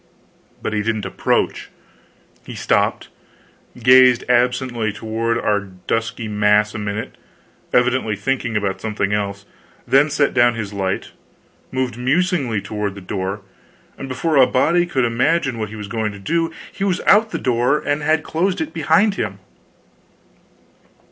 But he didn't approach. He stopped, gazed absently toward our dusky mass a minute, evidently thinking about something else; then set down his light, moved musingly toward the door, and before a body could imagine what he was going to do, he was out of the door and had closed it behind him.